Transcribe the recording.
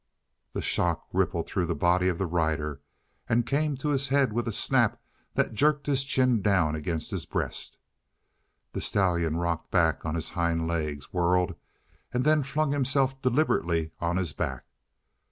The shock rippled through the body of the rider and came to his head with a snap that jerked his chin down against his breast. The stallion rocked back on his hind legs, whirled, and then flung himself deliberately on his back.